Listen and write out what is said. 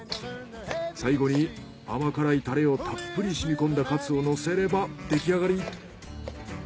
最後に甘辛いタレをたっぷり染みこんだカツをのせればできあがり。